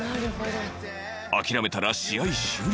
「あきらめたら試合終了」